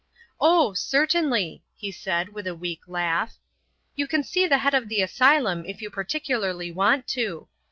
"Oh, certainly," he said with a weak laugh. "You can see the head of the asylum if you particularly want to."